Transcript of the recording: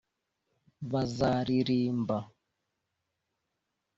bazaririmba